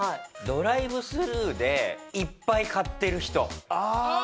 ドライブスルーでいっぱい買ってる人。